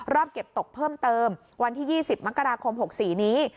เก็บตกเพิ่มเติมวันที่๒๐มกราคม๖๔นี้